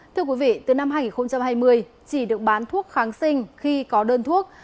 thưa quý vị từ năm hai nghìn hai mươi chỉ được bán thuốc kháng sinh khi có đơn thuốc